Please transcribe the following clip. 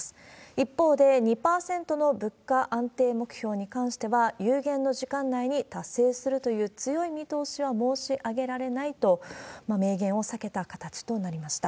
一方で、２％の物価安定目標に関しては、有限の時間内に達成するという強い見通しは申し上げられないと、明言を避けた形となりました。